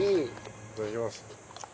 いただきます。